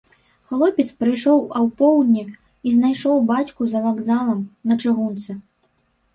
Хлопец прыйшоў апоўдні і знайшоў бацьку за вакзалам, на чыгунцы.